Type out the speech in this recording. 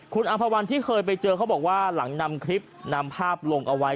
คุณอำภาวันที่เคยไปเจอเขาบอกว่าหลังนำคลิปนำภาพลงเอาไว้